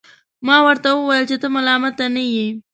ما ورته وویل چي ته ملامت نه یې.